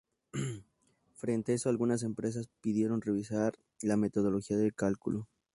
Frente a eso algunas empresas pidieron revisar la metodología de cálculo.